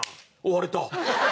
割れた。